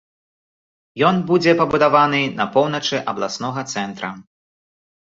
Ён будзе пабудаваны на поўначы абласнога цэнтра.